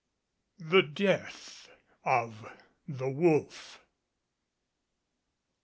THE DEATH OF THE WOLF.